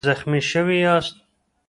زخمي شوی یاست؟